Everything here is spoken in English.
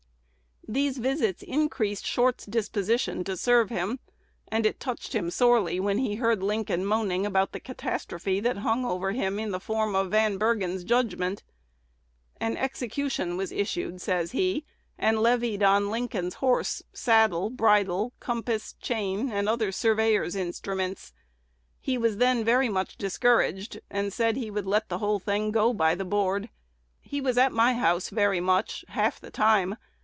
These visits increased Short's disposition to serve him; and it touched him sorely when he heard Lincoln moaning about the catastrophe that hung over him in the form of Van Bergen's judgment. "An execution was issued," says he, "and levied on Lincoln's horse, saddle, bridle, compass, chain, and other surveyor's instruments. He was then very much discouraged, and said he would let the whole thing go by the board. He was at my house very much, half the time.